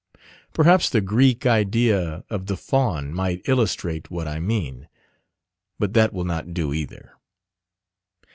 Perhaps the Greek idea of the Faun might illustrate what I mean: but that will not do either.